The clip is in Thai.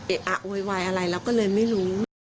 อะโวยวายอะไรเราก็เลยไม่รู้